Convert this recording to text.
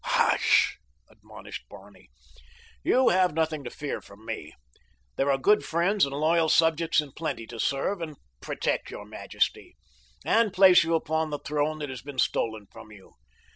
"Hush!" admonished Barney. "You have nothing to fear from me. There are good friends and loyal subjects in plenty to serve and protect your majesty, and place you upon the throne that has been stolen from you.